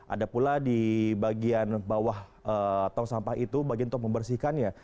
ada pula di bagian bawah tong sampah itu bagian tong membersihkannya